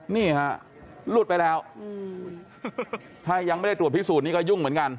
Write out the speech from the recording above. นี่ฮะหลุดไปแล้วถ้ายังไม่ได้ตรวจพิสูดนี้ก็ยุ่งเหมือนกัน